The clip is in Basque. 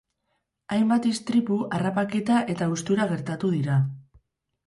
Hainbat istripu, harrapaketa eta haustura geratu dira.